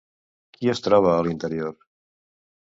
Qui es troba a l'interior?